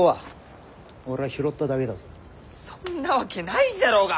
そんなわけないじゃろうが！